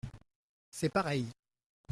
C’est pareil.